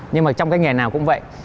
nhưng mà trong cái nghề nào cũng vậy